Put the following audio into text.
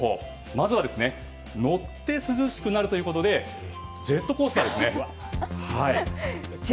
まずは、乗って涼しくなるということでジェットコースターですか？